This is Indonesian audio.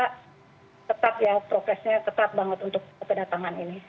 progresnya tetap banget untuk kedatangan ini